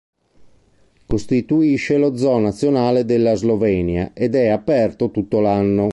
Costituisce lo zoo nazionale della Slovenia ed è aperto tutto l'anno.